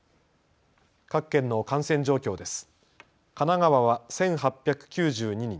各県の感染状況です。